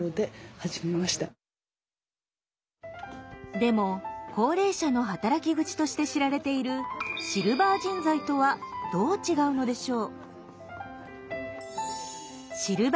でも高齢者の働き口として知られているシルバー人材とはどう違うのでしょう？